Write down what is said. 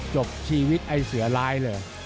จบชีวิตไอ้เสือร้ายเลย